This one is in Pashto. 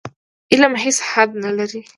علم هېڅ حد نه لري.